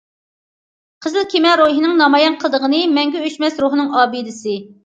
قىزىل كېمە روھىنىڭ نامايان قىلىدىغىنى مەڭگۈ ئۆچمەس روھنىڭ ئابىدىسى.